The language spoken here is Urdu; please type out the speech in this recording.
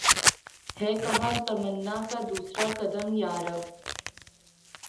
ہے کہاں تمنا کا دوسرا قدم یا رب